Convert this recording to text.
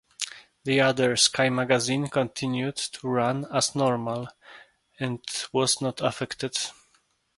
The other "Sky Magazine" continued to run as normal, and was not affected.